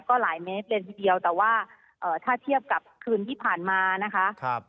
ก็หลายเมตรเลยทีเดียวแต่ว่าถ้าเทียบกับคืนที่ผ่านมานะคะ